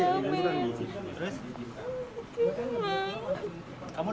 aku buat makan doang